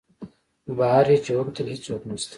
بهر یې چې وکتل هېڅوک نسته.